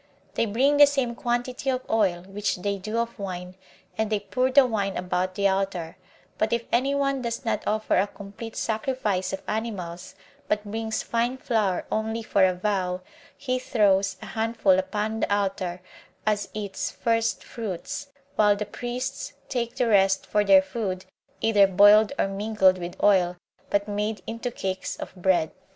They bring the same quantity of oil which they do of wine, and they pour the wine about the altar; but if any one does not offer a complete sacrifice of animals, but brings fine flour only for a vow, he throws a handful upon the altar as its first fruits, while the priests take the rest for their food, either boiled or mingled with oil, but made into cakes of bread.